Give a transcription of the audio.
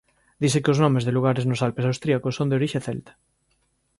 Dise que os nomes de lugares nos Alpes austríacos son de orixe celta.